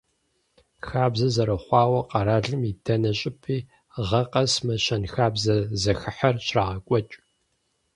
Хабзэ зэрыхъуауэ, къэралым и дэнэ щӀыпӀи гъэ къэс мы щэнхабзэ зэхыхьэр щрагъэкӀуэкӀ.